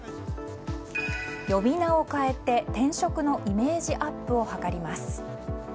呼び名を変えて、転職のイメージアップを図ります。